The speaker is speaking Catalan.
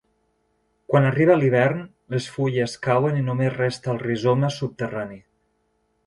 Quan arriba l'hivern les fulles cauen i només resta el rizoma subterrani.